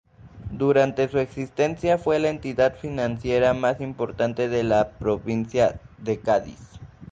Durante su existencia fue la entidad financiera más importante de la provincia de Cádiz.